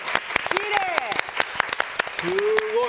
きれい！